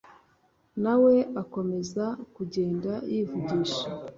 na we akomeza kugenda yivugisha